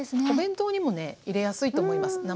お弁当にもね入れやすいと思います。